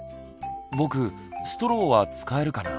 ぼくストローは使えるかな？